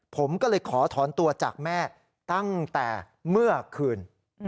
ผมก็เลยขอถอนตัวจากแม่ตั้งแต่เมื่อคืน